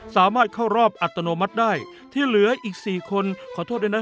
สามารถเข้ารอบอัตโนมัติได้ที่เหลืออีก๔คนขอโทษด้วยนะ